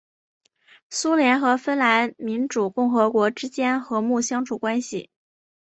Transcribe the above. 苏联和芬兰民主共和国之间和睦相处关系。